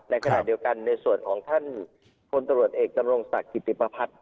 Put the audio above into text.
ในขณะเดียวกันในส่วนของท่านคนตรวจเอกกัณหลงสกยพิบย์พะพัฒน์